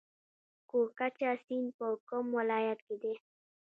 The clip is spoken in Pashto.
کوکچه سیند په کوم ولایت کې دی؟